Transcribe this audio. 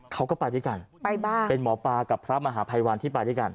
เขาก็ไปด้วยกันไปบ้านเป็นหมอปลากับพระมหาภัยวันที่ไปด้วยกัน